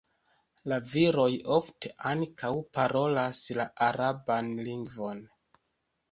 La viroj ofte ankaŭ parolas la araban lingvon.